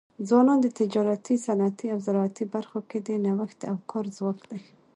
ځوانان د تجارتي، صنعتي او زراعتي برخو کي د نوښت او کار ځواک دی.